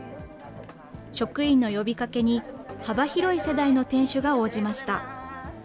職員の呼びかけに、幅広い世代の店主が応じました。